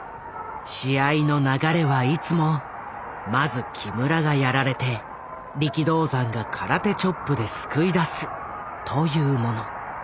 試合の流れはいつもまず木村がやられて力道山が空手チョップで救い出すというもの。